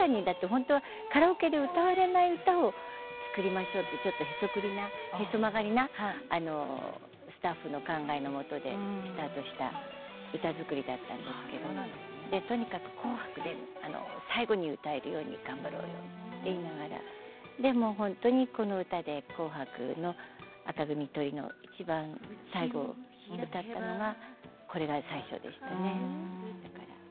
カラオケで歌われない歌を作りましょうとへそ曲がりなスタッフの考えのもとでスタートした歌作りだったんですけれどもとにかく「紅白」で最後に歌えるように頑張ろうと言いながらでもこの歌で「紅白」の紅組トリ、いちばん最後歌ったのがこれが最初でしたね。